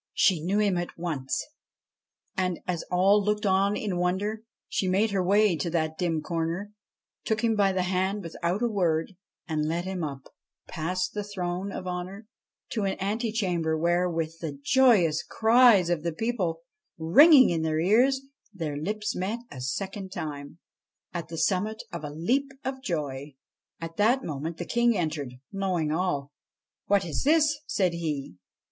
She knew him at once, and, as all looked on in wonder, she made her way to that dim corner, took him by the hand without a word, and led him up, past the throne of honour, to an ante chamber, where, with the joyous cries of the people ringing in their ears, their lips met a second time, at the summit of a leap of joy. At that moment the King entered, knowing all. ' What is this ?' said he.